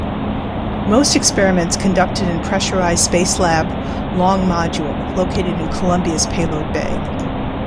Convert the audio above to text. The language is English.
Most experiments conducted in pressurized Spacelab long module located in "Columbia"'s payload bay.